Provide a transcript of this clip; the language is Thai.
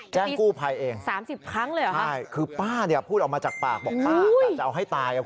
แจ้งกู้ภัยเองใช่คือป้าพูดออกมาจากปากบอกป้าจะเอาให้ตาย